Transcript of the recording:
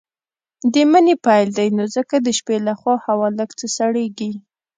د مني پيل دی نو ځکه د شپې لخوا هوا لږ څه سړييږي.